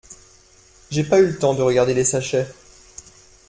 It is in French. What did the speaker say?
J’ai pas eu le temps de regarder les sachets.